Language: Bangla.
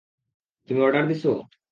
তুমি অর্ডার দিসো?